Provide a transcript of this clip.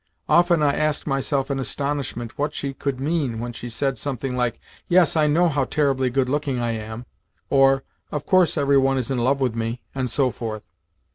Often I asked myself in astonishment what she could mean when she said something like, "Yes, I know how terribly good looking I am," or, "Of course every one is in love with me," and so forth.